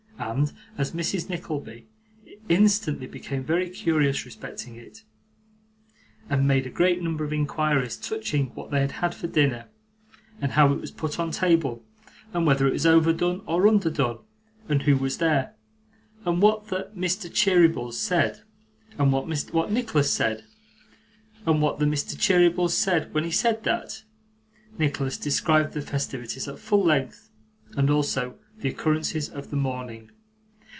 And as Mrs. Nickleby instantly became very curious respecting it, and made a great number of inquiries touching what they had had for dinner, and how it was put on table, and whether it was overdone or underdone, and who was there, and what 'the Mr. Cherrybles' said, and what Nicholas said, and what the Mr. Cherrybles said when he said that; Nicholas described the festivities at full length, and also the occurrences of the morning.